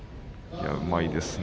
いや、うまいですね。